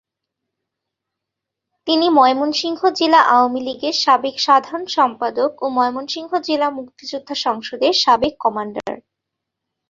তিনি ময়মনসিংহ জেলা আওয়ামী লীগের সাবেক সাধারণ সম্পাদক ও ময়মনসিংহ জেলা মুক্তিযোদ্ধা সংসদের সাবেক কমান্ডার।